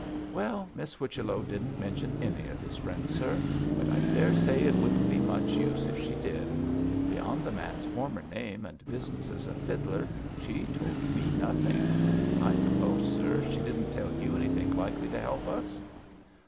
'Well, Miss Whichello didn't mention any of his friends, sir, but I daresay it wouldn't be much use if she did. Beyond the man's former name and business as a fiddler she told me nothing. I suppose, sir, she didn't tell you anything likely to help us?'